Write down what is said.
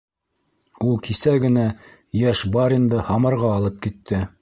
— Ул кисә генә йәш баринды Һамарға алып китте.